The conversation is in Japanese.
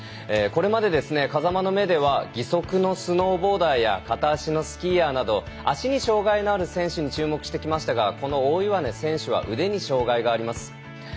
これまで「風間の目」では義足のスノーボーダーや片足のスキーヤーなど足に障がいのある選手に注目してきましたがこの大岩根選手は腕に障がいがあります。